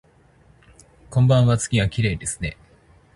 こんばんわ、月がきれいですね